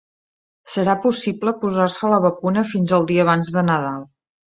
Serà possible posar-se la vacuna fins al dia abans de Nadal.